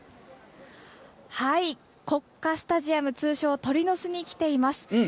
国家スタジアム通称・鳥の巣に来ています。